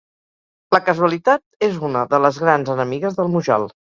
La casualitat és una de les grans enemigues del Mujal.